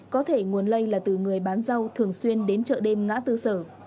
có thể nguồn lây là từ người bán rau thường xuyên đến chợ đêm ngã tư sở